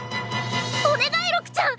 お願い六ちゃん！